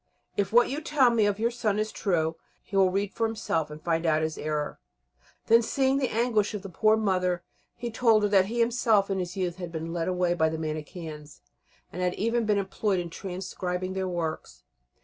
If what you tell me of your son is true, he will read for himself, and will find out his error." Then, seeing the anguish of the poor mother, he told her that he himself in his youth had been led away by the Manicheans, and had even been employed in transcribing their works.